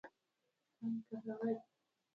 زما خوشحالي به هغه وخت لا دوه چنده کېده.